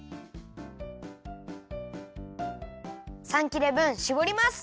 ３切れぶんしぼります！